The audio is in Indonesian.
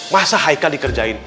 masa hika dikerjain